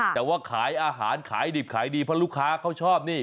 แต่ว่าขายอาหารขายดิบขายดีเพราะลูกค้าเขาชอบนี่